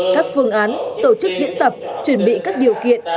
các phương án tổ chức diễn tập chuẩn bị các điều kiện